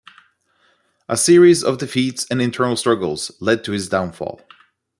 A series of defeats and internal struggles led to his downfall.